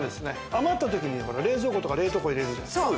余った時に冷蔵庫とか冷凍庫入れるじゃないですか。